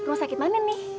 rumah sakit mana nih